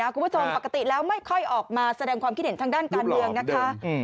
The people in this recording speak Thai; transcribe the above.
ปกติแล้วไม่ค่อยออกมาแสดงความคิดเห็นทางด้านการเมืองนะคะ